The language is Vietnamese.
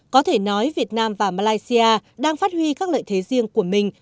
có thể nói việt nam và malaysia đang phát huy các lợi thế riêng của mình